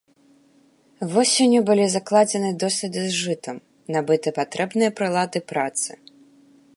Восенню былі закладзены доследы з жытам, набыты патрэбныя прылады працы.